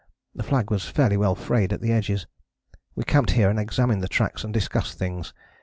The flag was fairly well frayed at the edges. We camped here and examined the tracks and discussed things.